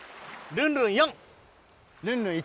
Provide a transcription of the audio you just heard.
ルンルン１。